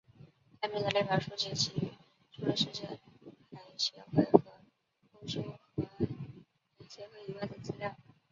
下面的列表数据基于除了世界核协会和欧洲核能协会以外的资料。